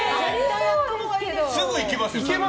すぐいけますよ。